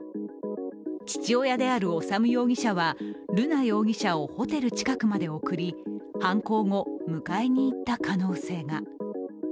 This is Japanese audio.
父親である修容疑者は瑠奈容疑者をホテル近くまで送り、犯行後、迎えに行った可能性が。